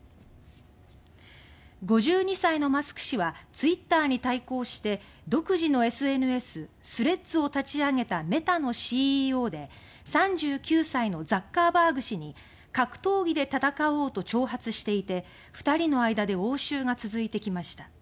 ５１歳のマスク氏はツィッターに対抗して独自のＳＮＳ「スレッズ」を立ち上げたメタのＣＥＯで３９歳のザッカーバーグ氏に「格闘技で戦おう」と挑発していて二人の間で応酬が続いてきました。